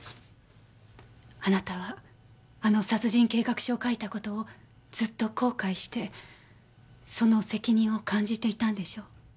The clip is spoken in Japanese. あなたはあの殺人計画書を書いた事をずっと後悔してその責任を感じていたんでしょ？